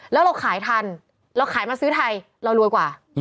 แล้วเราขายทันเราขายมาซื้อไทยเรารวยกว่า